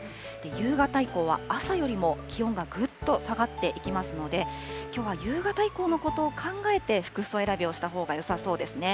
夕方以降は朝よりも気温がぐっと下がっていきますので、きょうは夕方以降のことを考えて、服装選びをしたほうがよさそうですね。